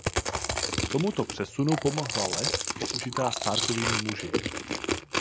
Tomuto přesunu pomohla lest použitá Starkovými muži.